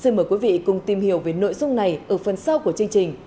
xin mời quý vị cùng tìm hiểu về nội dung này ở phần sau của chương trình